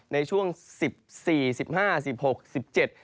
ในช่วงสิบสี่สิบห้าสิบหกสิบเจ็ด